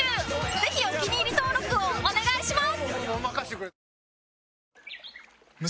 ぜひお気に入り登録をお願いします！